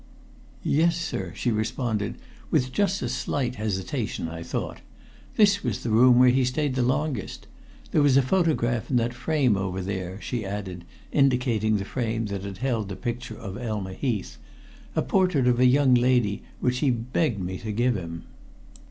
"Yes, sir," she responded, with just a slight hesitation, I thought. "This was the room where he stayed the longest. There was a photograph in that frame over there," she added, indicating the frame that had held the picture of Elma Heath, "a portrait of a young lady, which he begged me to give him."